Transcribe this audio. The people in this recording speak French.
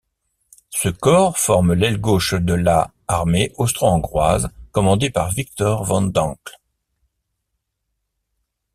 Ce corps forme l'aile gauche de la armée austro-hongroise commandée par Viktor von Dankl.